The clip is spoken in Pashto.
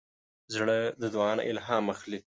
زړه د دعا نه الهام اخلي.